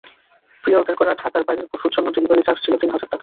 Pre-order করা ঢাকার বাইরের পশুর জন্য ডেলিভারি চার্জ ছিল তিন হাজার টাকা।